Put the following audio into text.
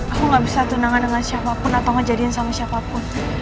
aku gak bisa tunangan dengan siapapun atau ngejadiin sama siapapun